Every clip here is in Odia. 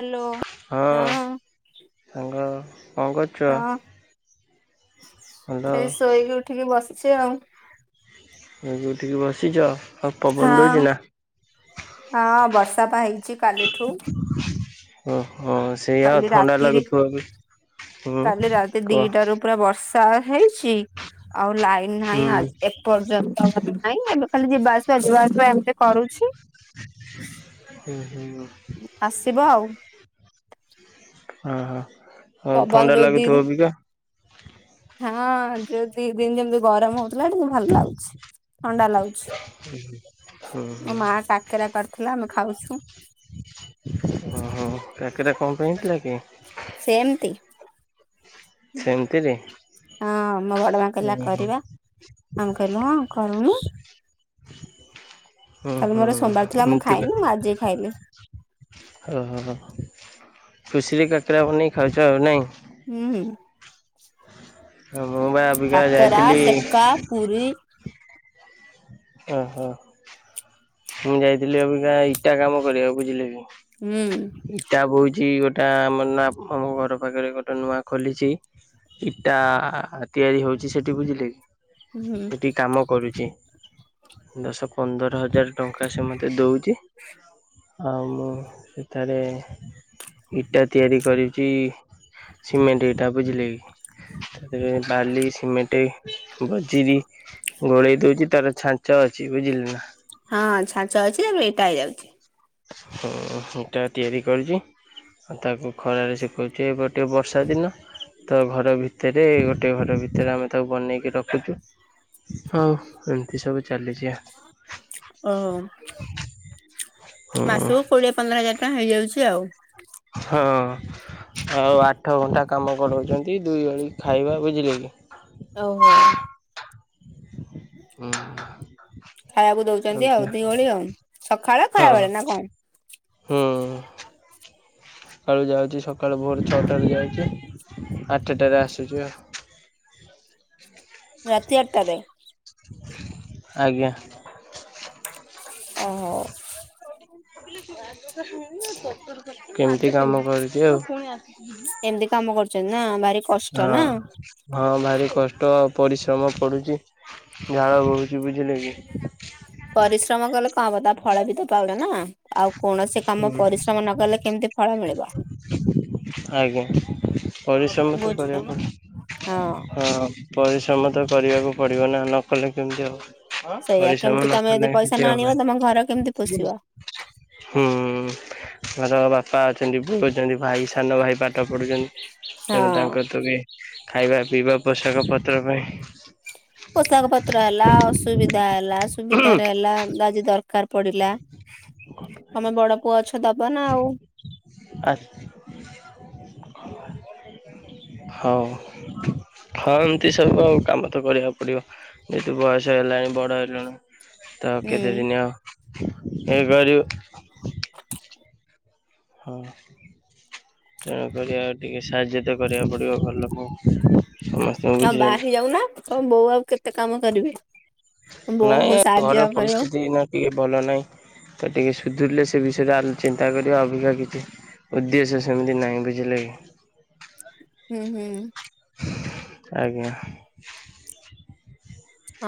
ହାଲୋ ହଁ। ସାଙ୍ଗ କଣ କରୁଚ? ହଁ ଏଇ ଶୋଇକି ଉଠିକି ବସିଛି ଆଉ। ଶୋଇକି ଉଠିକି ବସିଛ? ଆଉ ପବନ ଦଉଛି ହଁ ନା? ହଁ ବର୍ଷା ବା ହେଇଛି କାଲିଠୁ। ଓହୋ ସେଇଆ ଆଉ କାଲି ଥଣ୍ଡା ରାତିରେ ଲାଗୁଥିବ ବି ହୁଁ କାଲି ରାତି କୁହ। ଦିଟା ରୁ ପୁରା ବର୍ଷା। ତା ହେଇଛି ଆଉ ଲାଇନ ହୁଁ ନାହିଁ ଆ ଏପର୍ଯ୍ୟନ୍ତ। ନାଇଁ ଏବେ ଖାଲି ଯିବା ଆସିବା ଯିବା ଆସିବା ଏମତି କରୁଛି। ହୁଁ ହୁଁ। ଆସିବ ଆଉ। ଓହୋ ପବନ ଥଣ୍ଡା ଯୋଉ ଦି ଲାଗୁଥିବ ଅବିକା। ହଁ ଯୋଉ ଦି ଦିନ ଯେମିତି ଗରମ ହଉଥିଲା ଟିକେ ଭଲ ଲାଗୁଛି ଥଣ୍ଡା ଲାଗୁଛି। ହୁଁ ହୁଁ ମୋ ମା କାକେରା କରିଥିଲା ଆମେ ଖାଉଛୁ। ଓହୋ କାକେରା କଣ ପାଇଁ ହେଇଥିଲା କି? ସେମତି ସେମିତିରେ ହଁ ମୋ ବଡ଼ ମା ହୁଁ କହିଲା ହୁଁ କରିବା ଆମ୍ କହିଲୁ ହଁ କରୁନୁ। ହୁଁ କାଲି ହୁଁ ମୋର ସୋମବାର ଥିଲା ମୁଁ ଏମିତି କା ଖାଇନି ମୁଁ ଆଜି ଖାଇଲି ଓହୋ ଓହୋ ଖୁସିରେ କାକେରା ବନେଇକି ଖାଉଛ ଆଉ ନାଇଁ। ହୁଁ ହୁ। ମୁଁ ବା ଅବିକା କାକେରା ଯାଇଥିଲି ସେକା ପୁରି। ଓହୋ ମୁଁ ଯାଇଥିଲି ଅଭିକା ଇଟା କାମ କରିବାକୁ ବୁଝିଲେ ହୁଁ କି ଇଟା ବୋହୁଛି ଗୋଟେ ଇଟା ଆମ ନା ଆମ ଘର ପାଖରେ ଗୋଟେ ନୂଆ ଖୋଲିଛି ଇଟା ତିଆରି ହଉଛି ସେଠି ବୁଝିଲେ ହୁଁ କି ସେଠି କାମ କରୁଛି। ଦଶ ପନ୍ଦର ହଜାର ଟଙ୍କା ସେ ମତେ ଦଉଛି। ଆଉ ମୁଁ ସେଠାରେ ଇଟା ତିଆରି କରୁଛି। ସିମେଣ୍ଟ ଇଟା ବୁଝିଲେକି ତାରେ ବାଲି ସିମେଣ୍ଟ ବଜିରି ଗୋଳେଇ ଦଉଛି ତାର ଛା ଞ୍ଚ ଅଛି ବୁଝିଲେନା ହଁ ଛାଞ୍ଚ ଅଛି ତାପରେ ଇଟା ହେଇ ଯାଉଛି। ହଁ ଇଟା ତିଆରି କରୁଛି। ତାକୁ ଖରାରେ ସେଖୁଛି ଏବେ ଟିକେ ବର୍ଷା ଦିନ ତ ଘର ଭିତରେ ଗୋଟେ ଘର ଭିତରେ ଆମେ ତାକୁ ବନେଇକି ରଖୁଛୁ ହଉ ଏମିତି ସବୁ ଚାଲିଛି। ଓହୋ ହଁ ମାସକୁ କୋଡିଏ ପନ୍ଦର ହଜାର ଟଙ୍କା ହେଇଯାଉଛି ଆଉ। ହଁ। ଆଉ ଆଠ ଘଣ୍ଟା କାମ କରାଉଛନ୍ତି ଦୁଇ ଓଳି ଖାଇବା ବୁଝିଲେ କି ଓହୋ। ଉହୁଁ। ଖାଇବାକୁ ଦଉଛନ୍ତି ଆଉ ଦି ଓଳି ଆଉ। ସକାଳ ଖରାବେଳେ ନା କଣ? ହଁ। ସକାଳୁ ଯାଉଛି ସକାଳୁ ଭୋର ଛଅଟାରୁ ଯାଉଛି ଆଠଟାରେ ଆସୁଛି ଆଉ। ହଁ। ରାତି ଆଠଟାରେ? ଆଜ୍ଞା। ଓହୋ। ଏମିତି କାମ କରୁଛି ଆଉ। ହଁ ଏମିତି କାମ କରୁଛନ୍ତି ନା ଭାରି କଷ୍ଟ ନା ହଁ ଭାରି କଷ୍ଟ ପ୍ରବଳ ପରିଶ୍ରମ ପଡ଼ୁଛି ଝାଳ ବୋହୁଛି ବୁଝିଲେ କି ପରିଶ୍ରମ କଲେ ତା ଫଳ ବି ତ ପାଉଛ ନା ଆଉ କୌଣସି କାମ ହୁଁ ପରିଶ୍ରମ ନ କଲେ କେମିତି ଫଳ ମିଳିବ। ଆଜ୍ଞା ପରିଶ୍ରମ ତ ବୁଝୁଛ ନା କରିବାକୁ ହଁ ପଡୁଚି। ଆଜ୍ଞା। ପରିଶ୍ରମ ତ କରିବାକୁ ପଡ଼ିବ ନା ନ କଲେ କେମିତି ହବ। ସେଇଆ ପରିଶ୍ରମ କେମିତି ତମେ ନକଲେ ଯଦି ପଇସା କିଛି ନ ଆଣିବ ହେବନି। ତମ ଘର କେମିତି ପୋଷିବ ହୁଁ ଲଗାଅ ବା ବାପା ଅଛନ୍ତି ବୋଉ ଅଛନ୍ତି ଭାଇ ସାନ ଭାଇ ପାଠ ପଢୁଛନ୍ତି ତେଣୁ ହଁ। ତାଙ୍କଠୁ ବି ଖାଇବା ପିଇବା ପୋଷାକ ପତ୍ର ପାଇଁ ପୋଷାକ ପତ୍ର ହେଲା ଅସୁବିଧା ହେଲା ସୁବିଧାରେ ହେଲା ଆଜି ଦର କାର ପଡିଲା ତମେ ବଡ ପୁଅ ଅଛ ଦବନା ଆଉ। ଆ ହଉ। ହଁ ଏମତି ସବୁ ଆଉ କାମ ତ କରିବାକୁ ପଡିବ ଯେହେତୁ ବୟସ ହେଲାଣି ବଡ ହେଲୁଣି। ତ ହୁଁ କେତେଦିନ ଆଉ ହେଇପାରିବ ହଁ ତେଣୁ କରି ଆଉ ଟିକେ ସାହାଯ୍ୟ ତ କରିବାକୁ ପଡିବ ଘର ଲୋକଙ୍କୁ ସମସ୍ତଙ୍କୁ ଆଉ ବାହା ବୁଝେଇହବ। ହେଇଯାଉନା ତମ ବୋଉ ଆଉ କେତେ କାମ କରିବେ ବୋଉଙ୍କୁ ନାଇଁ ଘର ସାହାଯ୍ୟ ର କରିବ। ପରିସ୍ଥିତି ଏଇନା ଟିକେ ଭଲ ନହିଁ। ଟିକି ସୁଧୁରିଲେ ସେ ବିଷୟ ରେ ଚିନ୍ତା କରିବା ଅବିକା କିଛି। ଉଦ୍ଦେଶ୍ୟ ସେମିତି ନାହିଁ ବୁଝିଲେ କି। ହୁଁ ହୁଁ। ଆଜ୍ଞା।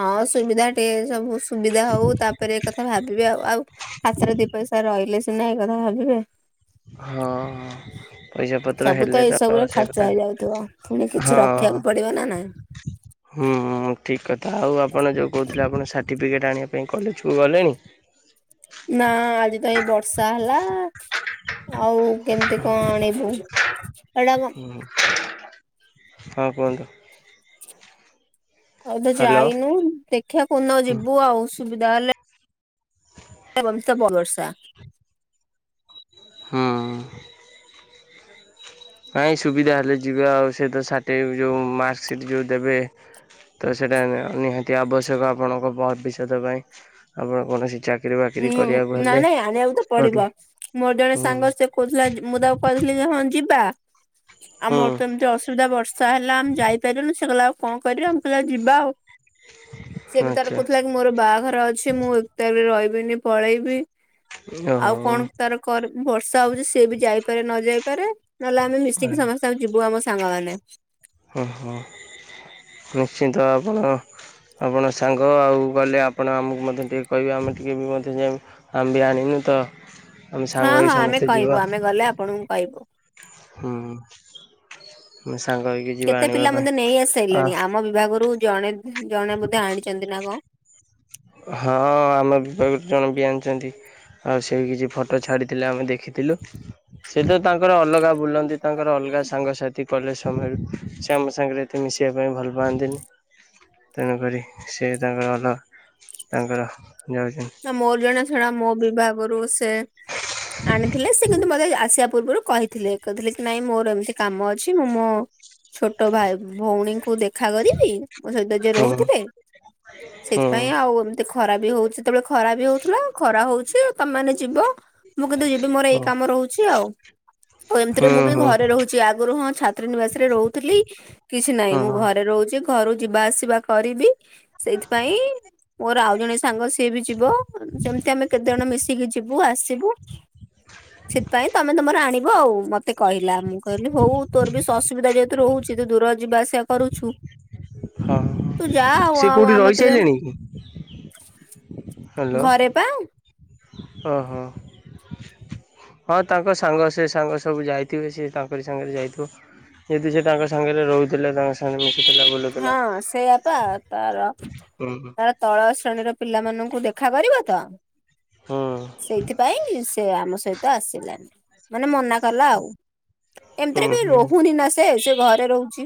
ହଁ ସୁବିଧା ଟିକେ ସବୁ। ସୁବିଧା ହଉ ତାପରେ ଏକଥା ଭାବିବେ ଆଉ ଆଉ ହାତରେ ଦି ପଇସା ରହିଲେ। ସିନା ଏକଥା ଭାବିବେ। ହଁ ହଁ। ପଇସା ପତ୍ର ସବୁ ହେଲେ ଏଇ ତ ସବୁରେ ସେ ଖର୍ଚ୍ଚ କଥା ହେଇଯାଉଥିବ। ପୁଣି କିଛି ହଁ। ରଖିବାକୁ ପଡିବ ନା ନାଇଁ ହୁଁ ଠିକ କ ଆଉ ଆପଣ ଯୋଉ କହୁଥିଲେ ଆପଣ ସାର୍ଟିଫିକେଟ୍ ଆଣିବା ପାଇଁ କଲେଜକୁ ଗଲେଣି। ନା ଆଜି ତ ଏଇ ବର୍ଷା ହେଲା ଆଉ କେମିତି କଣ ଆଣିବୁ। ଏଇଟା କଣ ହୁଁ ହଁ କୁହନ୍ତୁ। ଏବେ ହ୍ୟାଲୋ ଯାଇନୁ ଦେଖିବା କୋଉହଦିନ ଯିବୁ ଆଉ ସୁୁବିଧା ହେଲେ। [unintelligible] ହୁଁ। ନାଇଁ ସୁବିଧା ହେଲେ ଯିବେ ଆଉ ସେ ତ ସାଟେ ଯୋଉ ମାର୍କସିଟ୍ ଯୋଉ ଦେବେ। ତ ସେଇଟା ଆ ନିହାତି ଆବଶ୍ୟକ ଆପଣଙ୍କ ଭବିଷ୍ୟତ ପାଇଁ ଆପଣ କୌଣସି ଚା ଉଁ ନାଇଁ ନାଇଁ ଆଣିବାକୁ ତ କୋଉଠି ପଡିବ ମୋର ଜଣେ ହୁଁ ସାଙ୍ଗ ସେ କହୁଥିଲା ମୁଁ ତାକୁ କହିଦେଇଥିଲି ଯେ। ହଁ ଯିବା। ହୁଁ ଆମର ତ ଏମିତି ଅସୁବିଧା ବର୍ଷା ହେଲା ଆମେ ଯାଇପାଇଲୁନୁ ସେ କଇଲା ଆଉ। କଣ କରିବା ମୁଁ କଇଲୀ ଆଉ ଯିବା ଆଉ। ସିଏ ବି ତାର ଆଚ୍ଛା କହୁଥିଲା କି ମୋର ବାହାଘର ଅଛି ମୁଁ ଏକତା ବି ରହିବିନି ପଳେଇବି ‌। ଆଉ ଓହୋ କଣ ତାର କର ବର୍ଷା ହଉଛି ସିଏ ବି ଯାଇପାରେ ନ ଯାଇପାରେ। ନହେଲେ ଆମେ ମିଶିକି ସମସ୍ତେ ଆଉ ଯିବୁ ଆମ ସାଙ୍ଗମାନେ। ହୁଁ ହୁଁ ନିଶ୍ଚିନ୍ତ ଆପଣ। ଆପଣ ସାଙ୍ଗ ଆଉ ଗଲେ ଆପଣ ଆମକୁ ମଧ୍ୟ ଟିକେ କହିବେ ଆମେ ଟିକେ ବି ମଧ୍ୟ ଯାଇ ଆମେ ବି ଆଣିବୁ। ତ ଆମେ ହଁ ସାଙ୍ଗ ହଁ ହେଇ ଆମେ ସମସ୍ତେ କହିବୁ ଯିବା। ଆମେ ଗଲେ ଆପଣଙ୍କୁ କହିବୁ। ହୁଁ ମେ କେତେ ପିଲା ମଧ୍ୟ ନେଇ ଆସି ସାଇଲେଣି ଆମ ବିଭାଗରୁ। ଜଣେ ଦି ଜଣେ ବୋଧେ ଆଣିଛନ୍ତି ନା କଁ। ହଁ ଆମ ବିଭାଗରୁ ଜଣେ ବି ଆଣିଛନ୍ତି। ଆଉ ସେ କିଛି ଫଟୋ ଛାଡ଼ିଥିଲେ ଆମେ ଦେଖିଥିଲୁ ସେ ତ। ତାଙ୍କର ଅଲଗା ବୁଲନ୍ତି ତାଙ୍କର ଅଲଗା ସାଙ୍ଗସାଥି। କଲେଜ ସମୟରେ ସେ ଆମ ସାଙ୍ଗରେ ଏତେ ମିଶିବା ପାଇଁ ଭଲ ପାଆନ୍ତିନି। ତେଣୁକରି ସେ ତାଙ୍କର ଅଲଗା ତାଙ୍କର। ଯାଉଛନ୍ତି ନା ମୋର ଜଣା ଶୁଣା ମୋ ବିଭାଗରୁ ସେ ଆଣିଥିଲେ ସେ କିନ୍ତୁ ମତେ ଆସିବା। ପୂର୍ବରୁ କହିଥିଲେ କହିଥିଲେ କି ନାଇଁ ମୋର ଏମିତି କାମ ଅଛି ମୁଁ ମୋ। ଛୋଟ ଭାଇ ଭଉଣୀଙ୍କୁ ଦେଖ ଦେଖା କରିବି ମୋ ସହିତ ଯେ ହୁଁ ରହୁଥିଲେ ହୁଁ ସେଥିପାଇଁ ଆଉ ଏମିତି ଖରା ବି ହଉଛି। ସେତେବେଳେ ଖରା ବି ହଉଥିଲା ଖରା ହଉଛି ତମମାନେ ଯିବ। ମୁଁ କିନ୍ତୁ ଯିବି ମୋର ଏଇ ହୁଁ କାମ ରହୁଛି ଆଉ। ଆଉ ଏମିତିରେ ହୁଁ ମୁଁ ବି ହୁଁ ଘରେ ରହୁଛି ଆଗରୁ ହଁ ଛାତ୍ରୀ ନିବାସ ରେ ରହୁଥିଲି କିଛି ନାହିଁ ହଁ ମୁଁ ଘରେ ରହୁ ଛି ଘରୁ ଯିବା ଆସିବା କରିବି ସେଇଥିପାଇଁ ମୋର ଆଉ ଜଣେ ସାଙ୍ଗ। ସିଏ ବି ଯିବ ସେମିତି ଆମେ କେତେ ଜଣ ମିଶିକି ଯିବୁ ଆସିବୁ। ସେଥିପାଇଁ ତମେ ତମର ଆଣିବ ଆଉ ମତେ କହିଲା ମୁଁ କହିଲି ହଉ ତୋର ବି ଅସୁବିଧା ଯେହେତୁ ରହୁଛି ତୁ ଦୂର ଯିବା ଆସିବା କରୁଛୁ। ତୁ ହଁ ଯା ଆଉ ସେ ଆଉ କୋଉଠି ଆମେତ ଯାଉ। ରହିସାରିଲେଣି କି? ଘରେ ପା। ଓ ହୋ। ହଁ ତାଙ୍କ ସାଙ୍ଗ ସେ ସାଙ୍ଗ ସବୁ ଯାଇଥିବେ ସେ ତାଙ୍କରି ସାଙ୍ଗରେ ଯାଇଥିବ। ଯଦି ସେ ତାଙ୍କ ସାଙ୍ଗରେ ରହୁଥିଲା ଲତାଙ୍କ ସାଙ୍ଗରେ ମିଶୁଥିଲା ବୁଲୁଥିଲା ହଁ ସେଇଆପା। ତାର ହୁଁ ତାର ତଳ ଶ୍ରେଣୀର ପିଲାମାନଙ୍କୁ ଦେଖା କରିବ ତ। ହୁଁ ସେଇଥିପାଇଁ ସେ ଆମ ସହିତ ଆସିଲାନି ମାନେ ମନା କଲା ଆଉ ଏମିତିରେ ହୁଁ ବି ହୁଁ ରହୁନି ନା ସେ ସେ ଘରେ ରହୁଛି।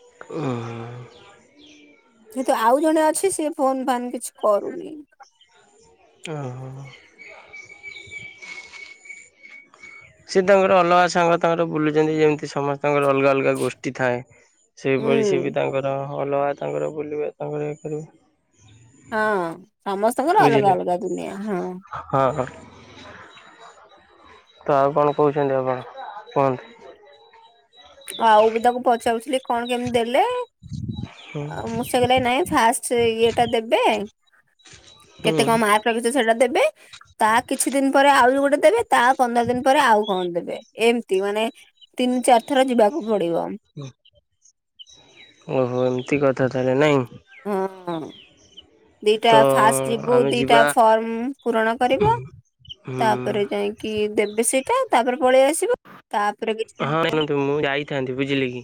ଓହୋ। ଯେହେତୁ ଆଉ ଜଣେ ଅଛି ସେ ଫୋନ୍ ଫାନେ କିଛି କରୁନି। ଓହୋ। ସେ ତାଙ୍କର ଅଲଗା ସାଙ୍ଗ ତାଙ୍କର ବୁଲୁଛନ୍ତି ଯେମିତି ସମସ୍ତଙ୍କର ଅଲଗା ଅଲଗା ଗୋଷ୍ଠୀ ଥାଏ। ହୁଁ ସେଇଭଳି ସେବି ତାଙ୍କର ଅଲଗା ତାଙ୍କର ବୁଲିବେ ତାଙ୍କର ଇଏ କରିବେ। ହଁ ସମସ୍ତଙ୍କର ବୁଝିଲେ। ଅଲଗା ଅଲଗା ଦୁନିଆ ହଁ। ହଁ ହଁ ତ ଆଉ କଣ କହୁଛନ୍ତି ଆପଣ କୁହନ୍ତୁ? ଆଉ ବି ତାକୁ ପଚାରୁଥିଲି କଣ କେମିତି ଦେଲେ। ହୁଁ ମୁଁଷେ କିଇଲେ ନାଇଁ ଫାଷ୍ଟ ଇଏ ଟା ଦେବେ। କେତେ ହୁଁ କଣ ମାର୍କ ରଖିଛ ସେଟା ଦେବେ ତା କିଛି ଦିନ ପରେ ଆଉ ଗୋଟେ ଦେବେ ତା ପନ୍ଦର ଦିନ ପରେ ଆଉ କଣ ଦେବେ ଏମିତି ମାନେ ତିନି ଚାରି ଥର ଯିବାକୁ ପଡିବ ହୋ ଓହୋ ଏମିତି କଥା ତାହଲେ ନାଇଁ ହଁ ଦିଟା ତ ଫାଷ୍ଟ ଯିବୁ ଆମେ ଦିଟା ଯିବା ଫର୍ମ ପୂରଣ କରିବୁ। ତାପରେ ହୁଁ ଯାଇକି ଦେବେ ସେଇଟା ତାପରେ ପଳେଇ ଆସିବ। ତାପରେ କିଛି ଦିନ ହଁ ପରେ ଶୁଣନ୍ତୁ ମୁଁ ଯାଇଥାନ୍ତି ବୁଝିଲି କି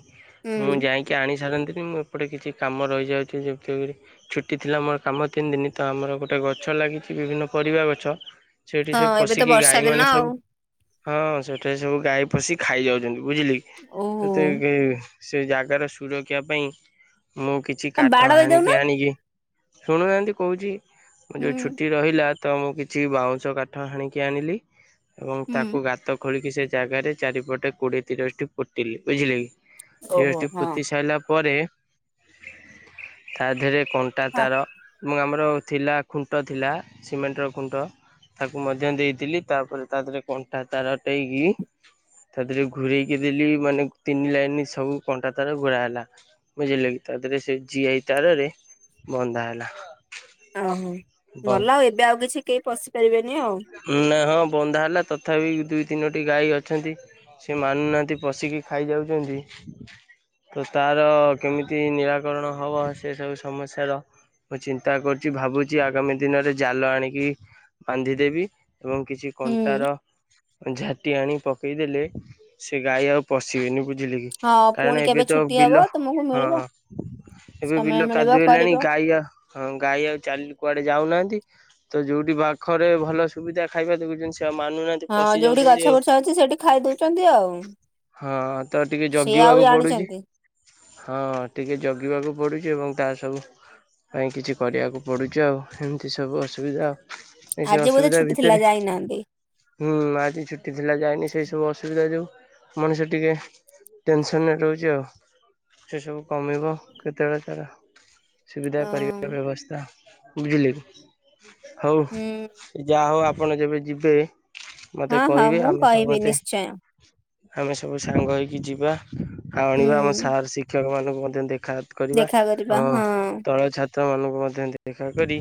ମୁଁ ହୁଁ ଯାଇକି ଆଣି ସାରନ୍ତିନି ଏପଟେ କିଛି କାମ ରହିଯାଉଚି [unintelligible] ଛୁଟି ଥିଲା ମୋର କାମ ତିନି ଦିନ ତ ଆମର ଗୋଟେ ଗଛ ଲାଗି ବିଭିନ୍ନ ପରିବା ଗଛ ସେଠି ସେ ହଁ ଏବେ ତ ପଶିକି ବର୍ଷା ଗାଈ ଦିନ ମାନେ ଆଉ ସବୁ ହଁ ସେଠି ସବୁ ଗାଈ ପଶିକି ଖାଇଯାଉଚ ବୁଝିଲେ ଓହୋ ତତେ [unintelligible] ସେ ଜାଗାର ସୁରକ୍ଷା ପାଇଁ ମୁଁ କିଛି ବାଡ କାଠ ହାଣିକି ଦେଇଦଉନା ଆଣିକି ଶୁଣୁନାହାନ୍ତି କହୁ ଯୋଉ ହୁଁ ଛୁଟି ରହିଲା ତ ମୁଁ କିଛି ବାଉଁଶ କାଠ ହାଣିକି ଆଣିଲି। ଏବଂ ତାକୁ ହୁଁ। ଗାତ ଖୋଳିକି ସେ ଜାଗାରେ ଚାରିପଟେ କୋଡିଏ ତିରିଶଟି ପୋତିଲି ବୁଝିଲେ। ଓହୋ ତିରସଟି ହଁ। ପୋତି ସାରିଲା ପରେ ତା ଦେହେରେ କଣ୍ଟା ତାର ମୁଁ ଆମର ଥିଲା ଖୁଣ୍ଟ ଥିଲା ସିମେଣ୍ଟର ଖୁଣ୍ଟ ତାକୁ ମଧ୍ୟ ଦେଇଥିଲି ତାପରେ ତା ଦେହରେ କଣ୍ଟା ତାର ଟେଇକି ତା ଦେହରେ ଘୁରରେଇକି ଦେଲି ମାନେ ତିନି ଲାଇନ ସବୁ କଣ୍ଟା ତାର ଘୋରା ହେଲା ବୁଝିଲେ କି ତା ଦେହରେ ଯେ ସେ ଜିଆଇ ତାରରେ ବନ୍ଧା ହେଲା। ଓହୋ ଭଲ ଆଉ ଏବେ ଆଉ କିଛି କେହି ପଶିପାରିବେନି। ନା ହଁ ବନ୍ଧା ହେଲା ତଥାପି ଦୁଇ ତିନୋଟି ଗାଈ ଅଛନ୍ତି। ସେ ମାନୁନାହାନ୍ତି ପଶିକି ଖାଇ ଯାଉଚନ୍ତି ତ ତାର କେମିତି ନିରାକରଣ ହବ ସେ ସବୁ ସମସ୍ୟାର ମୁଁ ଚିନ୍ତା କରୁଚି ଭାବୁଚି ଆଗାମୀ ଦିନରେ ଜାଲ ଆଣିକି ବାନ୍ଧି ଦେବି ଏବଂ କିଛି ହୁଁ କଣ୍ଟାର ଝାଟି ଆଣି ପକେଇଦେଲେ ସେ ଗାଈ ଆଉ ପଶିବେନି। ବୁଝିଲେ କି ହଁ କାରଣ ପୁଣି ଏବେ କେବେ ତ ଛୁଟି ବିଲ ହବ ତୁମକୁ ହଁ ମିଳିବ ହଁ ଏବେ ସମୟ ବିଲ ମିଳିବ କାଦୁଏ ଲେଣି କରିବ। ଗାଈ ଆଉ ହଁ ଗାଈ ଆଉ ଚାଲି କୁଆଡେ ଯାଉନାହାନ୍ତି ତ ଯୋଉଠି ପାଖରେ ଭଲ ସୁବିଧା ଖାଇବା ଦେଖୁଛନ୍ତି ସେ ଆଉ ମାନୁନାହାନ୍ତି ହଁ ପଶି ଯୋଉଠି ଯାଉଛନ୍ତି ଗଛ ଆଉ। ବୁର୍ଛ ଅଛି ସେଇଠି ଖାଇ ଦଉଚନ୍ତି ଆଉ। ହଁ ତ ଟିକେ ସିଏ ଆଉ ଜଗିବାକୁ ପଡୁଚି ଜାଣିଛନ୍ତି ହଁ ଟିକେ ଜଗିବାକୁ ପଡୁଚି ଏବଂ ତା ସବୁ ପାଇଁ କିଛି କରିବାକୁ ପଡୁଚି ଆଉ ଏମିତି ସବୁ ଅସୁବିଧା ଆ। ଏ ସେ ଆଜି ବୋଧେ ଅସୁବିଧା ଛୁଟି ଥିଲା ଭିତରେ ଯାଇନାହାନ୍ତି। ହୁଁ ଆଜି ଛୁଟି ଥିଲା ଯାଇସେ ସେଇ ସବୁ ଅସୁବିଧା ଯୋଗୁ ମଣିଷ ଟିକେ ଟେନସନରେ ରହୁଚି ଆଉ। ସେ ସବୁ କମିବ କେତେବେଳେ ତାର ସୁବିଧା ଅ କରିବା ବ୍ୟବସ୍ଥା ବୁଝିଲି ହଉ ହୁଁ ଯାହା ହବ ଆପଣ ଯେବେ ଯିବେ ମତେ ହଁ ହଁ କହିବେ ମୁଁ ଆମେ କହିବି ସମସ୍ତେ ନିଶ୍ଚୟ ଆମେ ସବୁ ସାଙ୍ଗ ହେଇକି ଯିବା ଆଉ ଆଣିବା ଆମ ହୁଁ। ସାର ଶିକ୍ଷକ ମାନଙ୍କୁ ମଧ୍ୟ ଦେଖ୍ ଖାତ୍ କରିବା ଦେଖା ହଁ ଅ ତଳ ଛାତ। ତ ମାନଙ୍କୁ ମଧ୍ୟ ଦେଖା କରି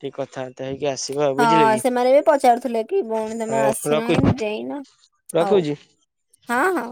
ଟିକେ କଥାବାର୍ତ୍ତା ହେଇକି ଆ। ହଁ ସେମାନେ ବି ପଚାରୁଥିଲେ କି ଭଉଣୀ ତମେ ହଉ ଆସିନ ରଖୁଛି ଦେଇନ। ଆଉ ରଖୁଛି। ହଁ ହଁ।